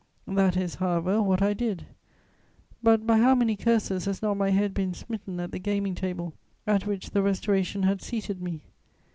That is, however, what I did; but by how many curses has not my head been smitten at the gaming table at which the Restoration had seated me!